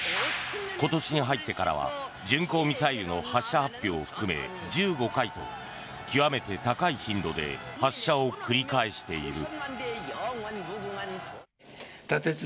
今年に入ってからは巡航ミサイルの発射発表を含め１５回と極めて高い頻度で発射を繰り返している。